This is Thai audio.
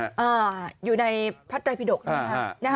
อ่าอยู่ในพระไรพิดกนะฮะ